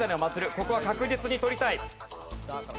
ここは確実に取りたい。